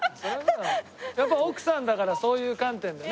やっぱ奥さんだからそういう観点でね。